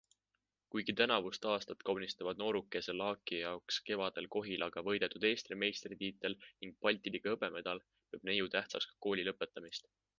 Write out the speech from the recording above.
Kuigi tänavust aastat kaunistavad noorukese Laaki jaoks kevadel Kohilaga võidetud Eesti meistritiitel ning Balti liiga hõbemedal, peab neiu tähtsaks ka kooli lõpetamist.